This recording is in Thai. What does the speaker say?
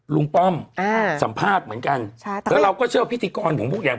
ป้อมอ่าสัมภาษณ์เหมือนกันใช่ค่ะแล้วเราก็เชื่อพิธีกรของพวกอย่าง